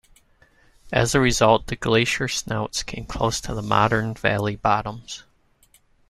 As a result, the glacier snouts came close to the modern valley bottoms.